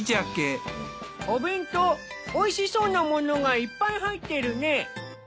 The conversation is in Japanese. お弁当おいしそうなものがいっぱい入ってるね。